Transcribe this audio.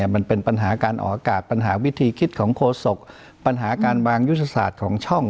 มันเป็นปัญหาการออกอากาศปัญหาวิธีคิดของโฆษกปัญหาการวางยุทธศาสตร์ของช่อง